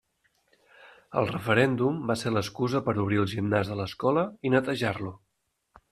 El referèndum va ser l'excusa per obrir el gimnàs de l'escola i netejar-lo.